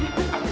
tia tia tia